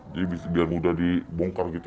jadi biar mudah dibongkar gitu